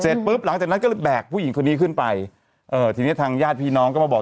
ปุ๊บหลังจากนั้นก็เลยแบกผู้หญิงคนนี้ขึ้นไปเอ่อทีนี้ทางญาติพี่น้องก็มาบอก